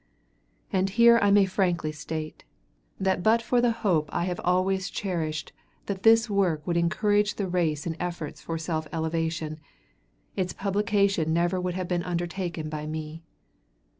And here I may frankly state, that but for the hope I have always cherished that this work would encourage the race in efforts for self elevation, its publication never would have been undertaken by me.